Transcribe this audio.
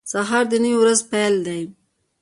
• سهار د نوې ورځې پیل دی.